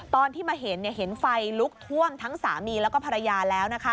ตอนที่มาเห็นเห็นไฟลุกท่วมทั้งสามีแล้วก็ภรรยาแล้ว